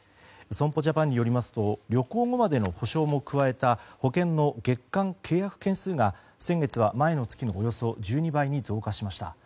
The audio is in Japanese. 損保ジャパンによりますと保険の月間契約件数が先月は前の月のおよそ１２倍に増加しました。